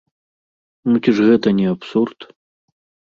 Ну ці ж гэта не абсурд?!